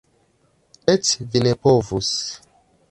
Eĉ vi ne povus!